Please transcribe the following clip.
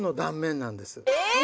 え！